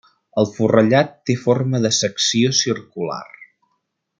El forrellat té forma de secció circular.